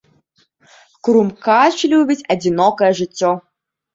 Крумкач любіць адзінокае жыццё.